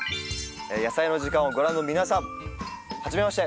「やさいの時間」をご覧の皆さんはじめまして。